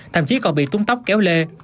thậm chí còn bị túng tóc kéo lê